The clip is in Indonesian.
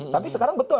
tapi sekarang betul